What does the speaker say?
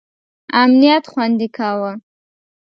امنیت خوندي کاوه.